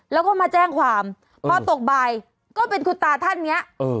แล้วก็มาแจ้งความพอตกบ่ายก็เป็นคุณตาท่านเนี้ยเออ